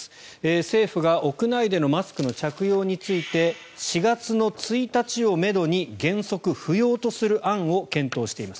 政府が屋内でのマスクの着用について４月の１日をめどに原則、不要とする案を検討しています。